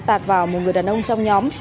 điều này đưa vào một người đàn ông trong nhóm